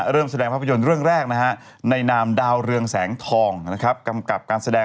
เริ่มแสดงภาพยนตร์เรื่องแรกนะฮะในนามดาวเรืองแสงทองนะครับ